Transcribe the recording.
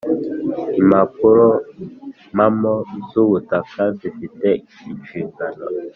Impapurompamo z ‘ubutaka zifite inshingano.